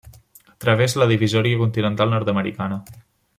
Travessa la divisòria continental nord-americana.